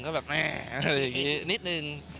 ก็แบบแม่นิดนึง